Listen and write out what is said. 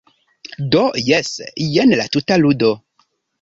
Do, jes, jen la tuta ludo.